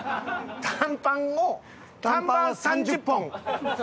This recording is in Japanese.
短パンを短パンは３０本。